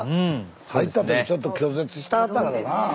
入った時ちょっと拒絶してはったからな。